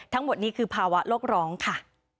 ทั้งหมดนี้คือภาวะโลกร้องค่ะ